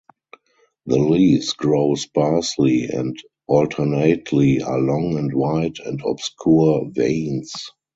The leaves grow sparsely and alternately are long and wide and obscure veins.